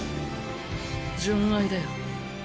純愛だよ。